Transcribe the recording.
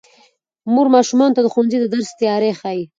مور ماشومانو ته د ښوونځي د درس تیاری ښيي